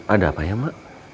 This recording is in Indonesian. ada apa ya emak